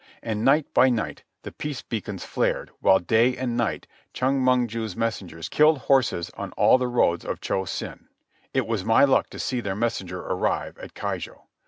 And night by night the peace beacons flared, while day and night Chong Mong ju's messengers killed horses on all the roads of Cho Sen. It was my luck to see his messenger arrive at Keijo.